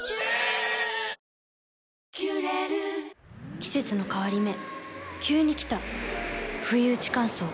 季節の変わり目急に来たふいうち乾燥。